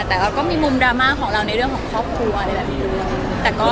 แต่เราก็มีมุมดราม่าของเราในเรื่องของครอบครัวอะไรแบบนี้ด้วย